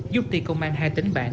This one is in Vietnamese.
giúp ti công an hai tỉnh bạn